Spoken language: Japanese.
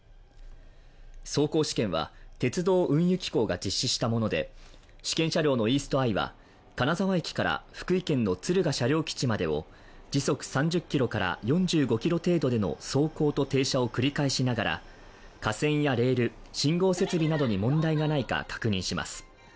走行試験は鉄道運輸機構が実施したもので、試験車両のイーストアイは、金沢駅から福岡県の敦賀車両基地までを、時速３０キロから４５キロ程度での走行と停車を繰り返しながら、架線やレール、信号設備などに問題がないか確認します。